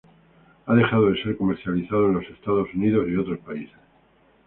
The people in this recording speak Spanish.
Ha dejado de ser comercializado en los Estados Unidos y otros países.